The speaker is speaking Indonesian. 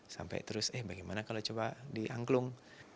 sampai terus eh bagaimana kalau coba diangklung